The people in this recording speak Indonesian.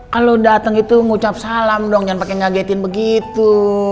kalo dateng itu ngucap salam dong jangan pake ngagetin begitu